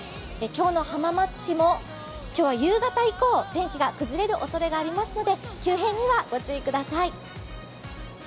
浜松市も今日は夕方以降、天気が崩れるおそれがありますので、急変にはご注意ください。